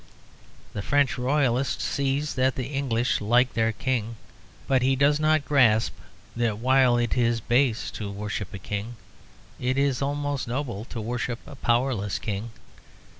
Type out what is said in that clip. The French Royalist sees that the English like their King. But he does not grasp that while it is base to worship a King, it is almost noble to worship a powerless King.